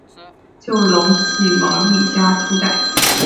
就隆系毛利家初代。